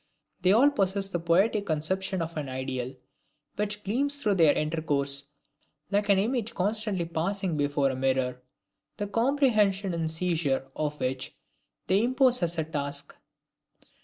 They all possess the poetic conception of an ideal, which gleams through their intercourse like an image constantly passing before a mirror, the comprehension and seizure of which they impose as a task.